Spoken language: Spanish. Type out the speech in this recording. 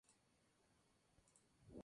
Fue hermana del cantante Farid al-Atrash.